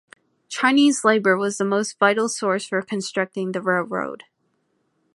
Chinese labor was the most vital source for constructing the railroad.